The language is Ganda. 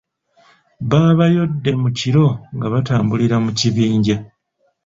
Baabayodde mu kiro nga batambulira mu kibinja.